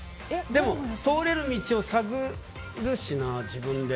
でも、通れる道を探るしな、自分で。